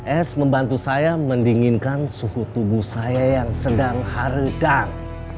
es membantu saya mendinginkan suhu tubuh saya yang sedang hardang